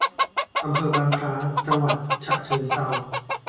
อำเภอบางคล้า จังหวัดฉะเชิงเทรา